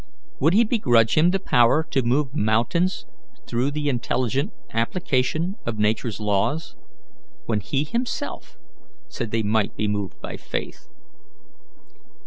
Would he begrudge him the power to move mountains through the intelligent application of Nature's laws, when he himself said they might be moved by faith?